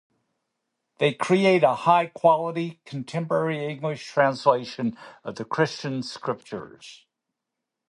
They create a high quality, contemporary English translation of the Christian Scriptures.